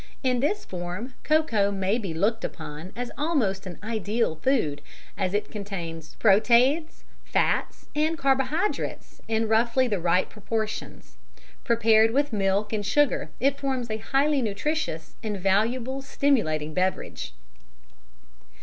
In this form cocoa may be looked upon as almost an ideal food, as it contains proteids, fats, and carbohydrates in roughly the right proportions. Prepared with milk and sugar it forms a highly nutritious and valuable stimulating beverage."